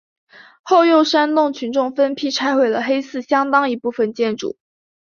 后又煽动群众分批拆毁了黑寺相当一部分建筑。